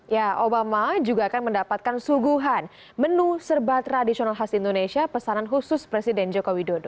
ya obama juga akan mendapatkan suguhan menu serba tradisional khas indonesia pesanan khusus presiden joko widodo